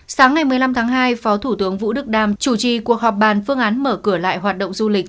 sáng ngày một mươi năm tháng hai phó thủ tướng vũ đức đam chủ trì cuộc họp bàn phương án mở cửa lại hoạt động du lịch